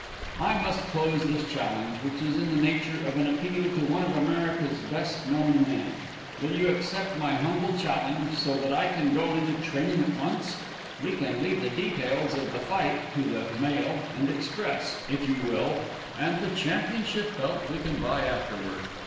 I must close this challenge, which is in the nature of an appeal to one of America's best known men. Will you accept my humble challenge, so that I can go into training at once? We can leave the details of the fight to the Mail and Express, if you will, and the championship belt we can buy afterward.